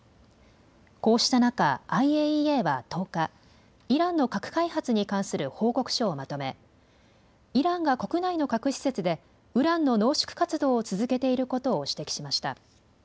こうした中、ＩＡＥＡは１０日、イランの核開発に関する報告書をまとめイランが国内の核施設でウランの濃縮活動を続けていることを指摘しました。